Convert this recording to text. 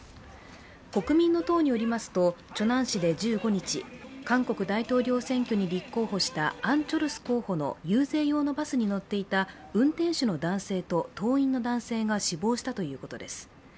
国民の党によりますと、チョナン市で１５日韓国大統領選挙に立候補したアン・チョルス候補の遊説用のバスに乗っていた運転手の男性と党員の男性が死亡したということです。